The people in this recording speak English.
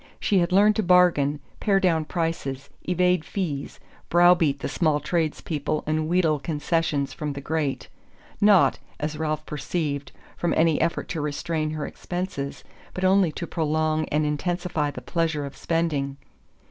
She had learned to bargain, pare down prices, evade fees, brow beat the small tradespeople and wheedle concessions from the great not, as Ralph perceived, from any effort to restrain her expenses, but only to prolong and intensify the pleasure of spending.